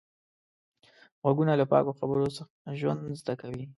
غوږونه له پاکو خبرو ژوند زده کوي